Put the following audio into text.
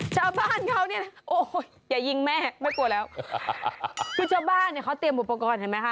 ชาวบ้านเขาเนี่ยโอ้ยอย่ายิงแม่ไม่กลัวแล้วคือชาวบ้านเนี่ยเขาเตรียมอุปกรณ์เห็นไหมคะ